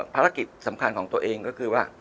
ภารกิจสำคัญของตัวเองก็คือว่า